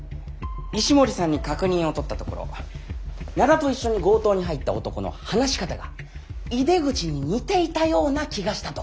石森さんに確認をとったところ灘と一緒に強盗に入った男の話し方が井出口に似ていたような気がしたと。